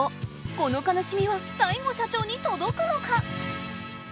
この悲しみは大悟社長に届くのか？